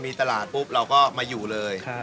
มีตลาดปุ๊บเราก็มาอยู่เลย